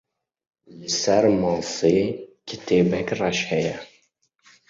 Li ser masê kitêbek reş heye.